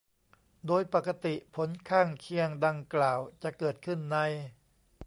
โดยปกติผลข้างเคียงดังกล่าวจะเกิดขึ้นใน